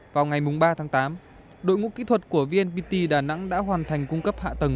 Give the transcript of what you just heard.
vào ngày ba tháng tám đội ngũ kỹ thuật của vnpt đà nẵng đã hoàn thành cung cấp hạ tầng